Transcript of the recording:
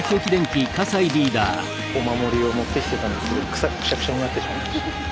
お守りを持ってきてたんですけどくしゃくしゃになってしまいました。